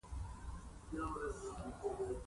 تر دې هم مهم فکټور د پرتمین انقلاب په نتیجه کې و.